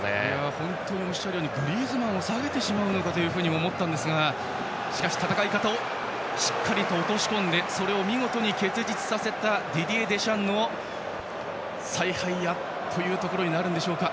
本当におっしゃるようにグリーズマンを下げてしまうのかと思いましたがしかし戦い方をしっかりと落とし込んでそれを見事に結実させたディディエ・デシャンの采配やというところになるでしょうか。